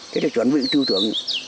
thế thì chuẩn bị tư tưởng